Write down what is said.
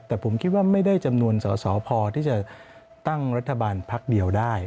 แต่ผมคิดว่าไม่ได้จำนวนสอสอพอที่จะตั้งรัฐบาลพักเดียวได้